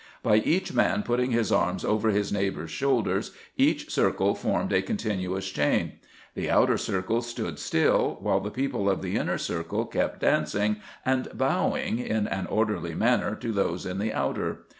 By each man putting his arms over his neighbours' shoulders, each circle formed a continuous chain. The outer circle stood still, while the people of the inner circle kept dancing and bowing in an orderly manner to those in the outer.